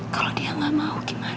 kalau dia nggak mau gimana